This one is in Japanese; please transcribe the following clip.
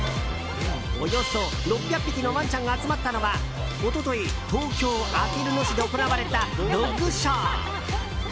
およそ６００匹のワンちゃんが集まったのは一昨日、東京・あきる野市で行われたドッグショー。